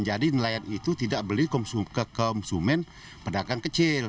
jadi nelayan itu tidak beli ke konsumen pedagang kecil